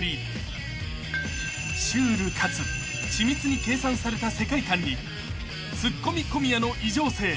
［シュールかつ緻密に計算された世界観にツッコミ小宮の異常性］